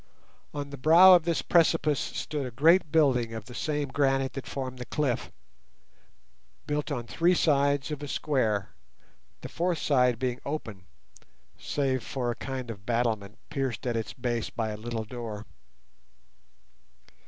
On the brow of this precipice stood a great building of the same granite that formed the cliff, built on three sides of a square, the fourth side being open, save for a kind of battlement pierced at its base by a little door.